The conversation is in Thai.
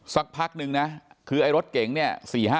สักพักนึงนะคือไอ้รถเก๋งเนี่ย๔๕